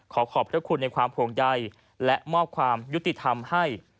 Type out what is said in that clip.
ขอขอบพระคุณในความห่วงใยและมอบความยุติธรรมให้